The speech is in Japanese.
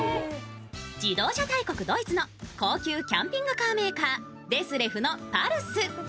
自動車大国ドイツの高級キャンピングカーメーカー、デスレフのパルス。